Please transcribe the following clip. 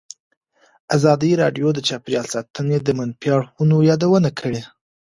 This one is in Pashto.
ازادي راډیو د چاپیریال ساتنه د منفي اړخونو یادونه کړې.